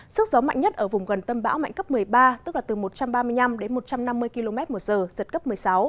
sức gió mạnh nhất ở vùng gần tâm bão mạnh cấp một mươi ba tức là từ một trăm ba mươi năm đến một trăm năm mươi km một giờ giật cấp một mươi sáu